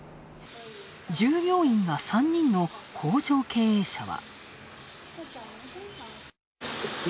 従業員が３人の工場経営者は。